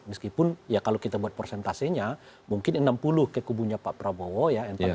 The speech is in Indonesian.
meskipun ya kalau kita buat prosentasenya mungkin enam puluh ke kubunya pak prabowo ya